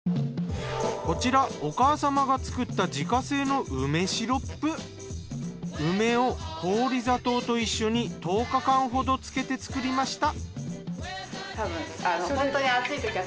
こちらお母様が作った自家製の梅を氷砂糖と一緒に十日間ほど漬けて作りました。